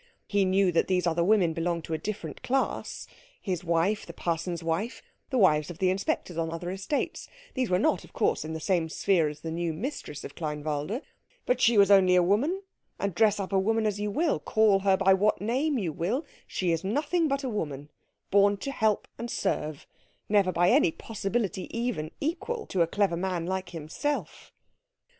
He knew that these other women belonged to a different class; his wife, the parson's wife, the wives of the inspectors on other estates, these were not, of course, in the same sphere as the new mistress of Kleinwalde; but she was only a woman, and dress up a woman as you will, call her by what name you will, she is nothing but a woman, born to help and serve, never by any possibility even equal to a clever man like himself.